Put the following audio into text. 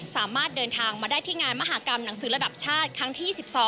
สามารถเดินทางมาได้ที่งานมหากรรมหนังสือระดับชาติครั้งที่๒๒